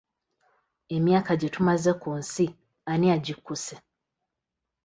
Emyaka gye tumaze ku nsi ani agikkuse?